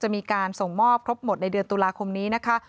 มีการส่งมอบครบหมดในเดือนตุลาคมนี้นะคะ